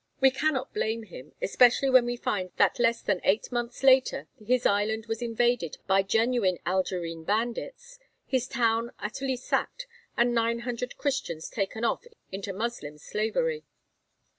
We cannot blame him, especially when we find that less than eight months later his island was invaded by genuine Algerine bandits, his town utterly sacked, and 900 Christians taken off into Moslem slavery.